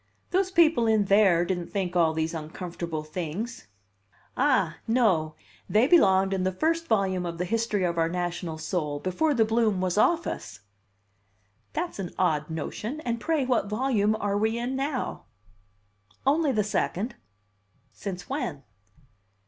"Those people in there didn't think all these uncomfortable things." "Ah! no! They belonged in the first volume of the history of our national soul, before the bloom was off us." "That's an odd notion! And pray what volume are we in now?" "Only the second." "Since when?"